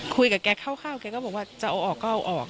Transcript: คุยกับแก่เข้าแก่เข้าบอกว่าจะเอาออกก็เอาออก